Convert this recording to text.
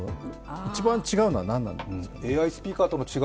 一番違うのは何なんですか？